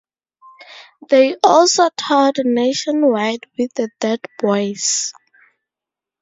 They also toured nationwide with the Dead Boys.